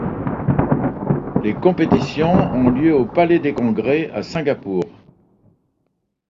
Les compétitions ont lieu au Palais des congrès à Singapour.